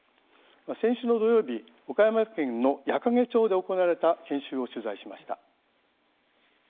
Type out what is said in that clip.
先週の土曜日岡山県の矢掛町で行われた研修を取材しました。